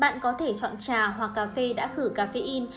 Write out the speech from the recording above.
bạn có thể chọn trà hoặc cà phê đã khử caffeine